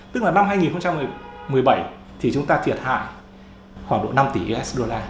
tức là năm hai nghìn một mươi bảy thì chúng ta thiệt hại khoảng độ năm tỷ usd